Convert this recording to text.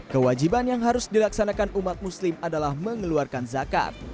kewajiban yang harus dilaksanakan umat muslim adalah mengeluarkan zakat